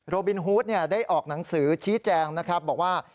บินฮูดได้ออกหนังสือชี้แจงนะครับบอกว่า